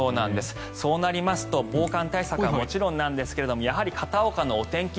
そうなりますと防寒対策はもちろんなんですがやはり片岡のお天気